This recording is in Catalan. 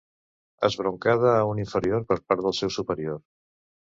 Esbroncada a un inferior per part del seu superior.